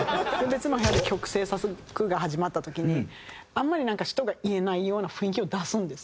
別の部屋で曲制作が始まった時にあんまりなんか人が言えないような雰囲気を出すんですよ。